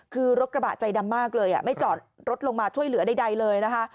คือรถกระบะใจดำมากเลยไม่จอดรถลงมาช่วยเหลือใดเลยนะคะ